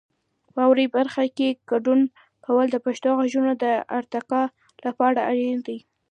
واورئ برخه کې ګډون کول د پښتو غږونو د ارتقا لپاره اړین دی.